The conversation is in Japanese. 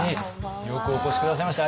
よくお越し下さいました。